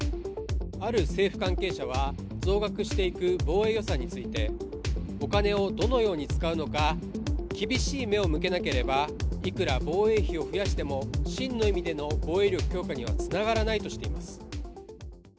ある政府関係者は、増額していく防衛予算について、お金をどのように使うのか厳しい目を向けなければいくら防衛費を増やしても真の意味での防衛力強化にはつながらないとしています。